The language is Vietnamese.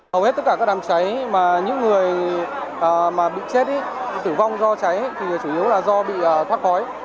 hầu hết tất cả các đám cháy mà những người bị chết tử vong do cháy thì chủ yếu là do bị thoát khói